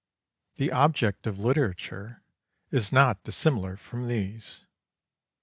The object of literature is not dissimilar from these.